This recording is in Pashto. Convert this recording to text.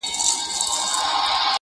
د ساندو له کوګله زمزمې دي چي راځي!.